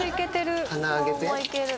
鼻、上げて。